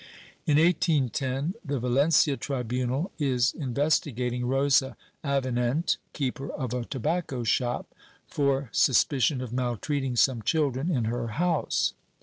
In 1810 the Valencia tribunal is investigating Rosa Avinent, keeper of a tobacco shop, for suspicion of maltreating some children in her house.